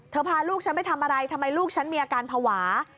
พาลูกฉันไปทำอะไรทำไมลูกฉันมีอาการภาวะ